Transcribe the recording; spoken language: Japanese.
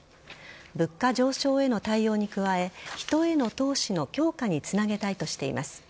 物価上昇への対応に加え人への投資の強化につなげたいとしています。